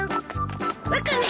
ワカメ！